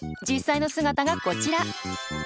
実際の姿がこちら。